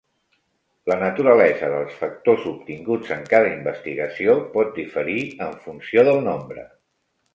La naturalesa dels factors obtinguts en cada investigació pot diferir en funció del nombre.